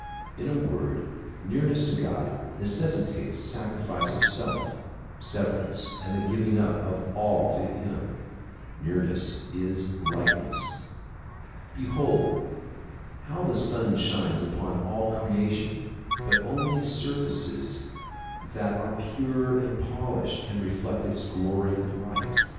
In a word, nearness to God necessitates sacri fice of self, severance and the giving up of all to him. Nearness is likeness. Behold how the sun shines upon all creation but only surfaces that are pure and polished can reflect its glory and light.